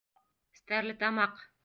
Стәрлетамаҡ.